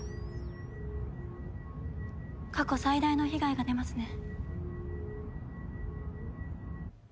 過去最大の被害が出ますね。